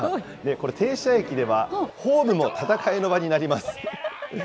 これ、停車駅ではホームも戦いの場になります。